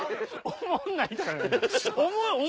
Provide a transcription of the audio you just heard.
おもんないとか。